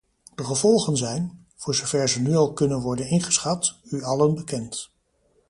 De gevolgen zijn, voor zover ze nu al kunnen worden ingeschat, u allen bekend.